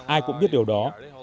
ai cũng biết điều đó